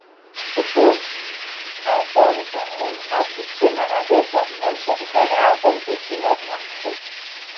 The fourth album, "Tangled Up", became another Platinum certified album, peaking at number four.